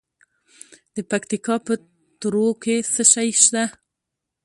د پکتیکا په تروو کې څه شی شته؟